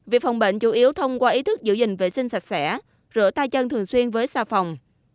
việc phòng bệnh chủ yếu thông qua ý thức giữ gìn vệ sinh sạch sẽ rửa tay chân thường xuyên với xa phòng